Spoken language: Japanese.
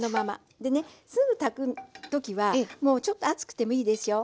でねすぐ炊く時はちょっと熱くてもいいでしょ。